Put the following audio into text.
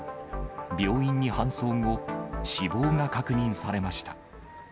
病院に搬送後、死亡が確認されました。